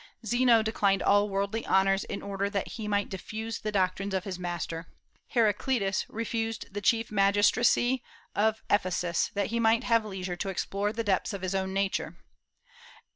Zeno declined all worldly honors in order that he might diffuse the doctrines of his master. Heraclitus refused the chief magistracy of Ephesus that he might have leisure to explore the depths of his own nature.